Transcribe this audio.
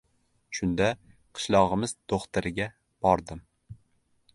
Shunda, qishlog‘imiz do‘xtiriga bordim.